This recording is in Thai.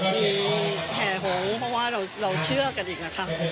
มีแห่หงษ์เพราะว่าเราเชื่อกันอีกนะคะ